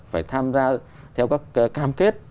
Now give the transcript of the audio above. phải tham gia theo các cam kết